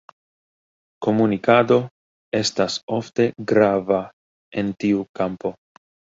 Komunikado estas ofte grava en tiu kampo.